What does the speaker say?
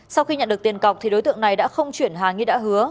sau khi nhận được tiền cọc đối tượng này đã không chuyển hàng như đã hứa